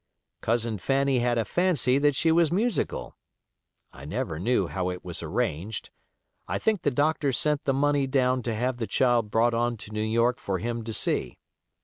Cousin Fanny had a fancy that she was musical. I never knew how it was arranged. I think the doctor sent the money down to have the child brought on to New York for him to see.